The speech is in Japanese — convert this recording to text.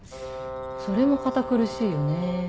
それも堅苦しいよね。